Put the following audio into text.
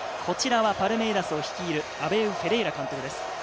こちらはパルメイラスを率いるアベウ・フェレイラ監督です。